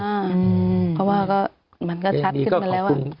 เพราะว่าก็มันก็ชัดขึ้นมาแล้ว